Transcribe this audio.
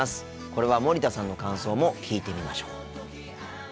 これは森田さんの感想も聞いてみましょう。